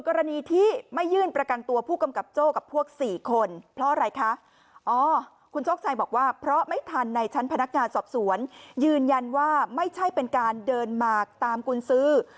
ชั้นภนักงานสอบสวนยืนยันว่าไม่ใช่เป็นการเดินมาตามกุญซื้อ